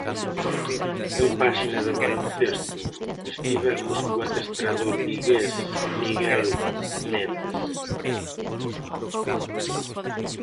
En páxina de baloncesto, estivemos co adestrador vigués Miguel Méndez.